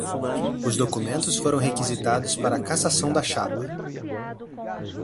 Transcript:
Os documentos foram requisitados para cassação da chapa